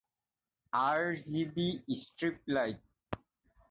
RGB strip light